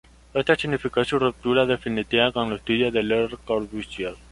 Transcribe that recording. Esto significó su ruptura definitiva con el estudio de Le Corbusier.